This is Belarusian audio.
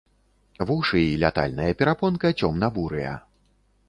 Вушы і лятальная перапонка цёмна-бурыя.